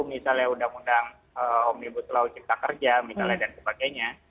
misalnya undang undang omnibus law cipta kerja misalnya dan sebagainya